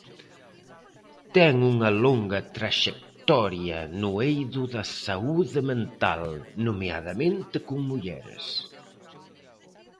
Ten unha longa traxectoria no eido da saúde mental, nomeadamente con mulleres.